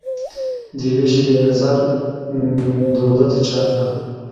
دیوي شیبي نظر دوره دچاکه